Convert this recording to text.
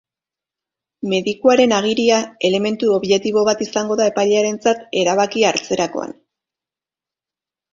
Medikuaren agiria elementu objektibo bat izango da epailearentzat erabakia hartzerakoan.